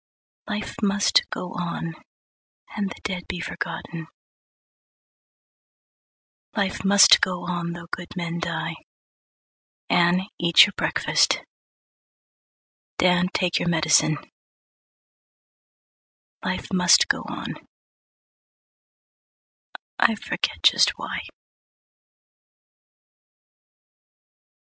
Life must go on, And the dead be forgotten; Life must go on, Though good men die; Anne, eat your breakfast; Dan, take your medicine; Life must go on; I forget just why.